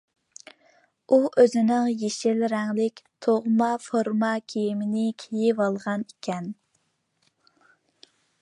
ئۇ ئۆزىنىڭ يېشىل رەڭلىك تۇغما فورما كىيىمنى كىيىۋالغانىكەن.